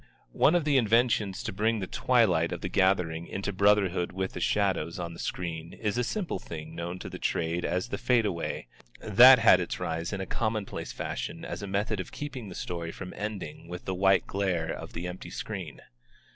One of the inventions to bring the twilight of the gathering into brotherhood with the shadows on the screen is a simple thing known to the trade as the fadeaway, that had its rise in a commonplace fashion as a method of keeping the story from ending with the white glare of the empty screen.